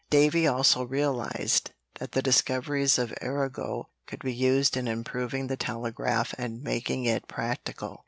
Davy also realized that the discoveries of Arago could be used in improving the telegraph and making it practical.